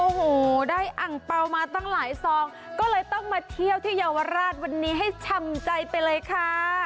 โอ้โหได้อังเปล่ามาตั้งหลายซองก็เลยต้องมาเที่ยวที่เยาวราชวันนี้ให้ชำใจไปเลยค่ะ